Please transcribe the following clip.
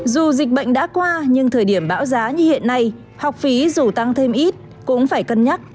dù dịch bệnh đã qua nhưng thời điểm bão giá như hiện nay học phí dù tăng thêm ít cũng phải cân nhắc